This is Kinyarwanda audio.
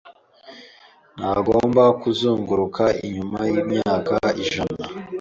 Ntugomba kuzunguruka nyuma yimyaka ijana